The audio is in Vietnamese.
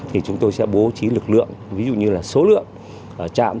thì chúng tôi sẽ bố trí lực lượng ví dụ như là số lượng trạm